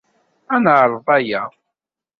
Ad neɛreḍ aya.